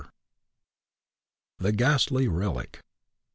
THE GHASTLY RELIC.